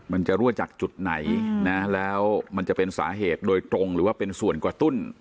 มันจะรั่วจากจุดไหนนะแล้วมันจะเป็นสาเหตุโดยตรงหรือว่าเป็นส่วนกระตุ้น